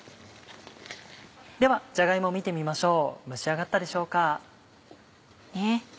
ではじゃが芋見てみましょう蒸し上がったでしょうか。